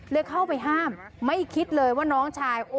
เข้าไปห้ามไม่คิดเลยว่าน้องชาย